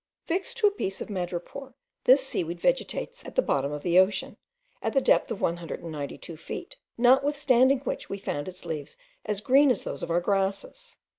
Fixed to a piece of madrepore, this seaweed vegetates at the bottom of the ocean, at the depth of 192 feet, notwithstanding which we found its leaves as green as those of our grasses.